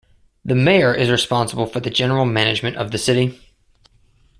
The mayor is responsible for the general management of the city.